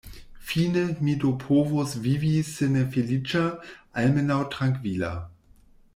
Fine mi do povos vivi se ne feliĉa, almenaŭ trankvila.